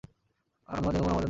আমার জনগণ আমার জন্য জরুরি।